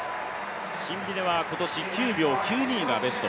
シンビネは今年９秒９２がベスト。